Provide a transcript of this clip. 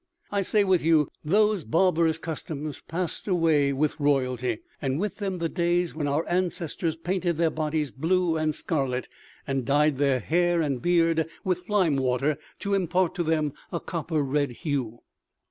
I say with you, those barbarous customs passed away with royalty, and with them the days when our ancestors painted their bodies blue and scarlet, and dyed their hair and beard with lime water to impart to them a copper red hue."